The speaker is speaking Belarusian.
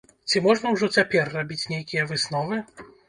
Ці можна ўжо цяпер рабіць нейкія высновы?